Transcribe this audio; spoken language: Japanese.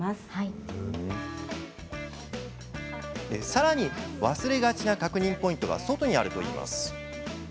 さらに忘れがちな確認ポイントが外にあるといいます。